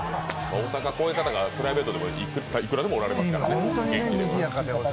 大阪、こういう方、プライベートでもいくらでもおられますから。